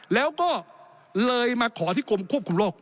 แล้วก็เลยมาขอที่กรมควบคุมโรค